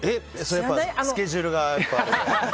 スケジュールが？